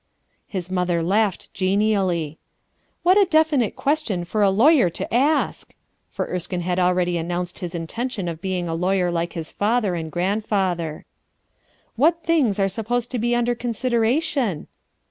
His mother laughed genially. "What a definite question for a lawyer to ask!" for Erskino bad already announced his intention of being a lawyer like his father and grandfather. "What "things' are supposed to be under consideration?"